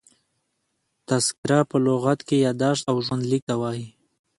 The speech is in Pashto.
تذکره په لغت کښي یاداشت او ژوند لیک ته وايي.